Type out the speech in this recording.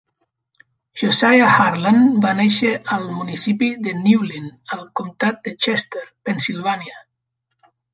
Josiah Harlan va néixer al municipi de Newlin, al comtat de Chester, Pennsylvania.